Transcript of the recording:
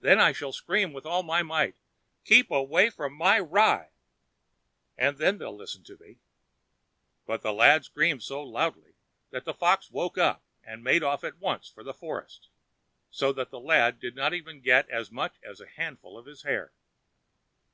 Then I shall scream with all my might: 'Keep away from my rye!' and then they'll listen to me." But the lad screamed so loudly that the fox woke up and made off at once for the forest, so that the lad did not even get as much as a handful of his hair.